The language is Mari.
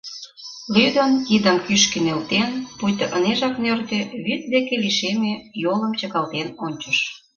Лӱдын, кидым кӱшкӧ нӧлтен, пуйто ынежак нӧртӧ, вӱд деке лишеме, йолым чыкалтен ончыш.